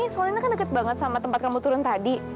soalnya kan deket banget sama tempat kamu turun tadi